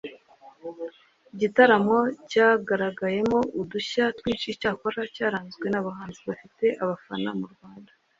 igitaramo cyagaragayemo udushya twinshi icyakora cyaranzwe n’abahanzi bafite abafana mu Rwanda